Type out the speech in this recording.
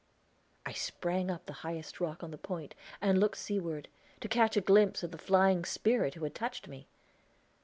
I sprang up the highest rock on the point, and looked seaward, to catch a glimpse of the flying Spirit who had touched me.